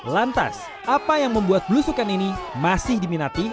lantas apa yang membuat belusukan ini masih diminati